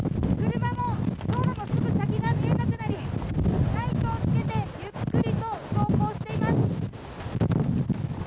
車も道路のすぐ先が見えなくなり、ライトをつけて、ゆっくりと走行しています。